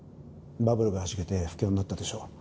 バブルがはじけて不況になったでしょう。